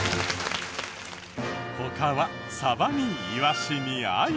他はサバにイワシにアユ。